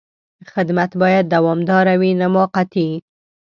خدمت باید دوامداره وي، نه موقتي.